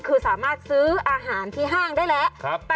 คือสามารถซื้ออาหารที่ห้างได้แล้ว